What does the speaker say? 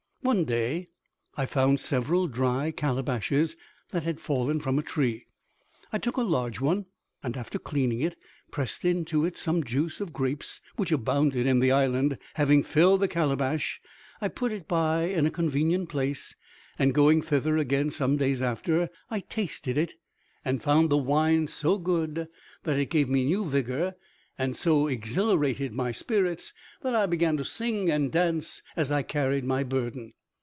One day I found several dry calabashes that had fallen from a tree. I took a large one, and, after cleaning it, pressed into it some juice of grapes, which abounded in the island; having filled the calabash, I put it by in a convenient place, and going thither again some days after, I tasted it, and found the wine so good that it gave me new vigor, and so exhilarated my spirits that I began to sing and dance as I carried my burden.